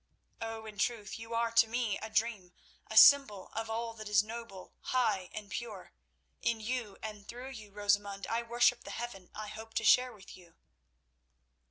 Oh, in truth, you are to me a dream—a symbol of all that is noble, high and pure. In you and through you, Rosamund, I worship the heaven I hope to share with you."